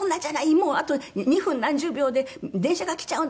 もうあと２分何十秒で電車が来ちゃうんだ。